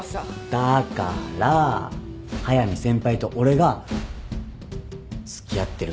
だから速見先輩と俺が付き合ってるとかそういう。